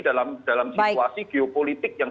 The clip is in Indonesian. dalam situasi geopolitik yang